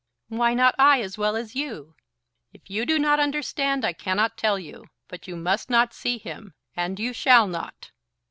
"Why not I, as well as you?" "If you do not understand, I cannot tell you. But you must not see him; and you shall not."